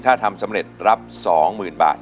ถ้าทำสำเร็จรับ๒๐๐๐บาท